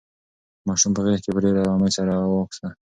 ماشوم په غېږ کې په ډېرې ارامۍ ساه اخیستله.